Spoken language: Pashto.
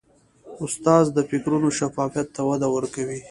استاد د فکرونو شفافیت ته وده ورکوي.